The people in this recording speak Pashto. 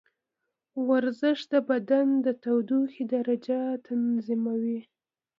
ورزش د بدن د تودوخې درجه تنظیموي.